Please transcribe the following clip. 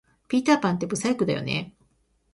ピーターパンって不細工だよね